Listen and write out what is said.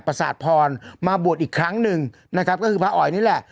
ประสาทพรมาบวชอีกครั้งหนึ่งนะครับก็คือพระอ๋อยนี่แหละ